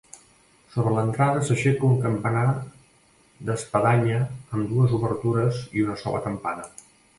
Sobre l'entrada s'aixeca un campanar d'espadanya amb dues obertures i una sola campana.